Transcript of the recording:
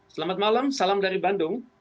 selamat malam salam dari bandung